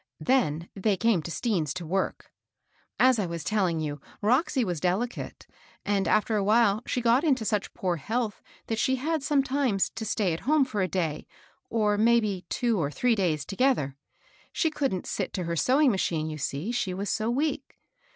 Then they came to Stean's to work. " As I was telling you, Roxy was delicate ; and after a while she got into such poor health that she had sometimes to stay at home for a day, or may be two or three days togetliet. St^a ^Qvs}Asi\.^v> 156 HABEL BOSS. her sewing machine, you see, she was so weak.